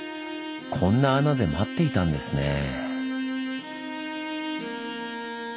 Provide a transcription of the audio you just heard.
こんな穴で待っていたんですねぇ。